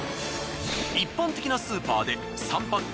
一般的なスーパーで３パック